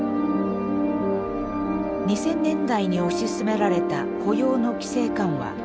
２０００年代に推し進められた雇用の規制緩和。